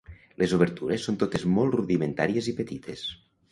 Les obertures són totes molt rudimentàries i petites.